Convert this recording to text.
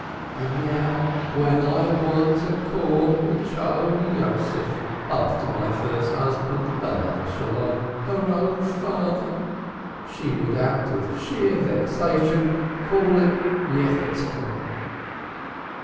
And now when I want her to call the child Yosef, after my first husband, peace be on him, her own father, she would out of sheer vexatiousness, call it Yechezkel."